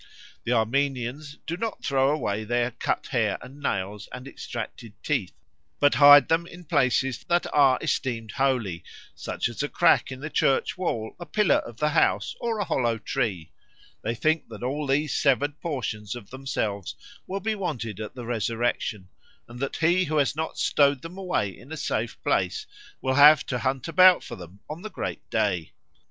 The Armenians do not throw away their cut hair and nails and extracted teeth, but hide them in places that are esteemed holy, such as a crack in the church wall, a pillar of the house, or a hollow tree. They think that all these severed portions of themselves will be wanted at the resurrection, and that he who has not stowed them away in a safe place will have to hunt about for them on the great day.